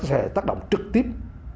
có thể tác động trực tiếp